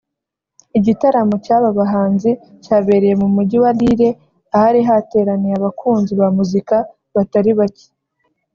Igitaramo cy’aba bahanzi cyabereye mu mujyi wa Lille ahari hateraniye abakunzi ba muzika batari bake